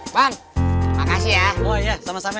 bang makasih ya oh iya sama sama